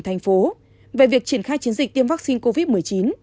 thành phố về việc triển khai chiến dịch tiêm vaccine covid một mươi chín